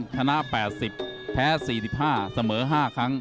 ชนะ๘๐แพ้๔๕เสมอ๕ครั้ง